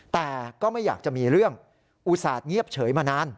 แต่ก็ไม่อยากจะมีเรื่องอุตส่าห์เงียบเฉยมานาน